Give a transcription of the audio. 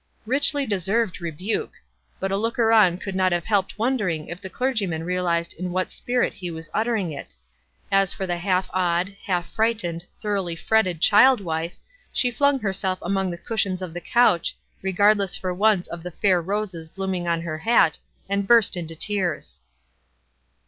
Richly deserved rebuke ! But a looker on could not have helped wondering if the clergy man realized in what spirit he was uttering it. As for the half awed, half frightened, thorough ly fretted child wife, she flung herself among the cushions of the couch, regardless for once of the fair roses blossoming on her hat, and burst into tears.